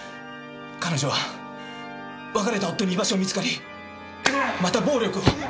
彼女は別れた夫に居場所が見つかりまた暴力を。